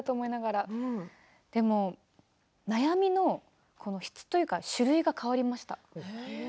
でも、悩みの質というか種類が変わりました。